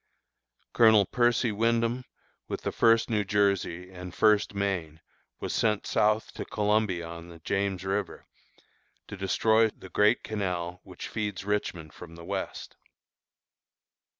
Colonel Percy Wyndham, with the First New Jersey and First Maine, was sent south to Columbia on the James River, to destroy the great canal which feeds Richmond from the west.